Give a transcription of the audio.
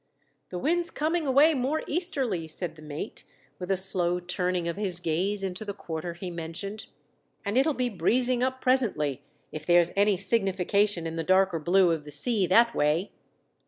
"The wind's coming away more easterly," said the mate, with a slow turning of his gaze into the quarter he mentioned, "and it'll be breezing up presently, if there's any significa tion in the darker blue of the sea that M^ay."